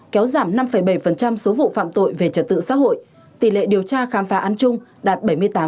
kéo giảm năm bảy số vụ phạm tội về trật tự xã hội tỷ lệ điều tra khám phá án chung đạt bảy mươi tám